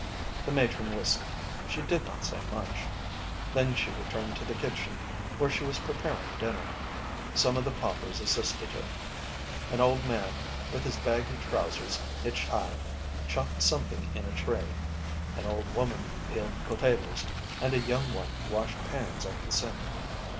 The matron listened ; she did not say much. Then she returned to the kitchen, where she was preparing dinner. SISTER LIDDY. 87 Some of the paupers assisted her. An old man, with his baggy trousers hitched high, chopped something in a tray, an old woman peeled potatoes, and a young one washed pans at the sink.